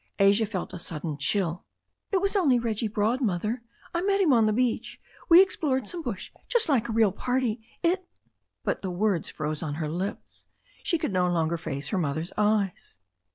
Asia felt a sudden chill. "It was only Reggie Broad, Mother. I met him on the beach. We explored some bush, just like a real party. It " But the words froze on her lips. She could no longer face her mother's eyes.